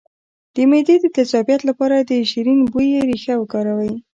د معدې د تیزابیت لپاره د شیرین بویې ریښه وکاروئ